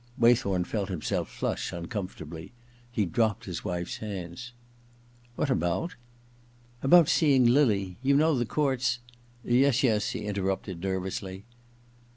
Waythorn felt himself flush uncomfortably. He dropped his wife's hands. * What about }'* About seeing Lily. You know the courts '* Yes, yes,' he interrupted nervously.